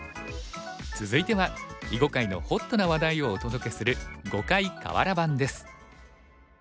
続いては囲碁界のホットな話題をお届けする「碁界かわら盤」です。